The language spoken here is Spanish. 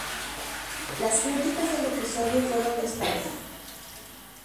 Las críticas del episodio fueron dispares.